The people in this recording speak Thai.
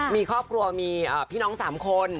มีครอบครัวมีพี่น้อง๓คน